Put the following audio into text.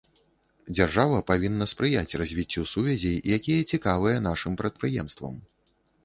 Дзяржава павінна спрыяць развіццю сувязей, якія цікавыя нашым прадпрыемствам.